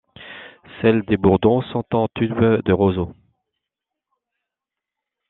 Celles des bourdons sont en tube de roseau.